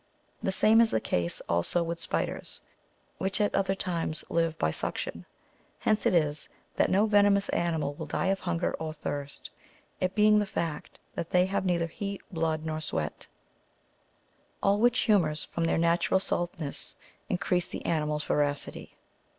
The same is the case also with spiders, which at other times live by suction. Hence it is, that no venomous animal will die of hunger or thirst ; it being the fact that they have neither heat, blood, nor sweat ; all which humours, from their natural saltness, increase the animal's voracity.